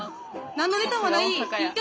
何のネタもない生き方。